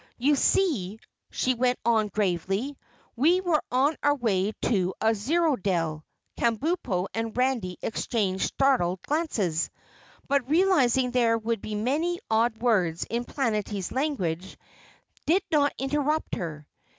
"You see," she went on gravely, "we were on our way to a zorodell." Kabumpo and Randy exchanged startled glances, but, realizing there would be many odd words in Planetty's language, did not interrupt her.